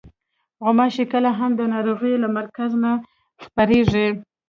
غوماشې کله هم د ناروغۍ له مرکز نه خپرېږي.